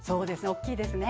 おっきいですね